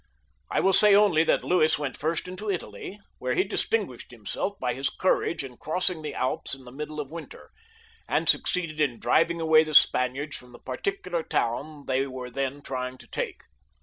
I will say only that Louis went first into Italy,, where he distinguished himself by his courage in crossingHhe Alps in the middle of winter, and succeeded in driving away the Spaniards from the particu lar'town they were then trying to take.